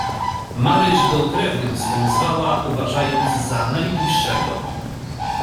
"Maryś go krewnym swym zwała, uważając za najbliższego."